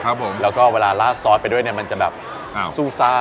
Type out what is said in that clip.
ครับผมแล้วก็เวลาลาดซอสไปด้วยเนี่ยมันจะแบบซู่ซ่า